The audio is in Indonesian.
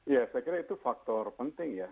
ya saya kira itu faktor penting ya